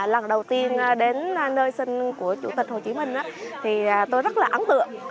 lần đầu tiên đến nơi sinh của chủ tịch hồ chí minh thì tôi rất là ấn tượng